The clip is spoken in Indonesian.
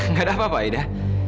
gak ada apa apa aida